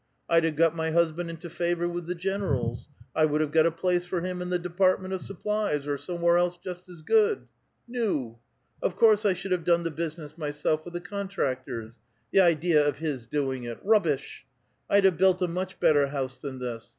Td havo got my hushaiid into favor with the generals ; I would have got a place for him in the department of supplies, or somewhere else just as good ! Nul of course 1 should have done tlie business myself with the contractors ! the idea of his doing it — rubbish ! I'd have built a much bettiT house than this.